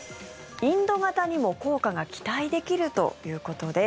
インド型にも効果が期待できるということです。